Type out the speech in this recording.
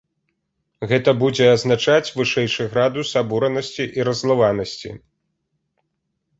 Гэта будзе азначаць вышэйшы градус абуранасці і раззлаванасці.